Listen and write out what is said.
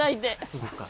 そうですか。